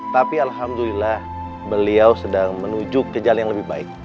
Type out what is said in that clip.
tapi alhamdulillah beliau sedang menuju ke jalan yang lebih baik